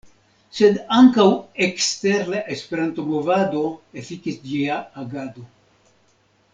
Sed ankaŭ ekster la Esperanto-movado efikis ĝia agado.